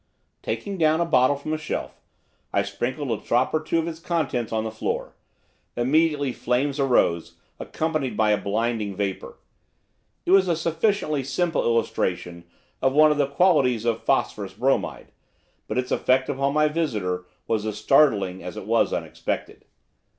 Taking down a bottle from a shelf, I sprinkled a drop or two of its contents on the floor. Immediately flames arose, accompanied by a blinding vapour. It was a sufficiently simple illustration of one of the qualities of phosphorous bromide, but its effect upon my visitor was as startling as it was unexpected.